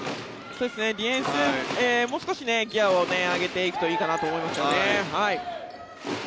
ディフェンスもう少しギアを上げていくといいかなと思いますね。